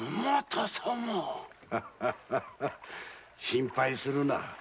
心配するな。